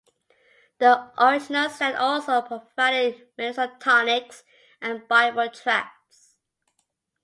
The original stand also provided medicinal tonics and Bible tracts.